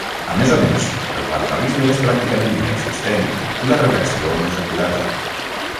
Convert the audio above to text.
A més a més, el vandalisme és pràcticament inexistent i la redacció més acurada.